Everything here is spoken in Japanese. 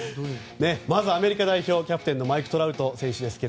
まず、アメリカ代表キャプテンのマイク・トラウト。